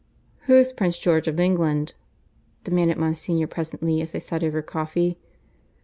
"Who's Prince George of England?" demanded Monsignor presently as they sat over coffee.